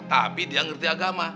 tapi dia ngerti agama